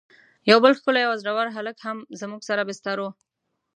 یو بل ښکلی او زړه ور هلک هم زموږ سره بستر و.